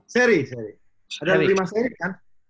seri seri ada lima seri kan